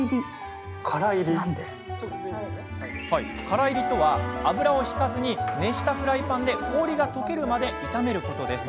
からいりとは油を引かず熱したフライパンで氷がとけるまで炒めること。